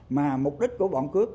mà mục đích của bọn cướp